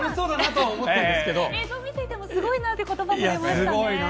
映像を見ていてもすごいなって言葉が出ていましたね。